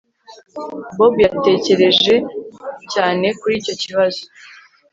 Bob yatekereje cyane kuri icyo kibazo